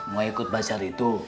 mau ikut basah itu